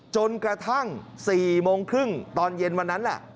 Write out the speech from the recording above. จนกระทั่ง๔๓๐นวันนั้น